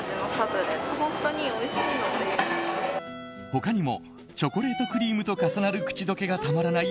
他にもチョコレートクリームと重なる口溶けがたまらない